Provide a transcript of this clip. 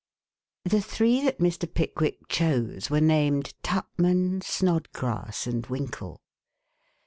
The three that Mr. Pickwick chose were named Tupman, Snodgrass and Winkle.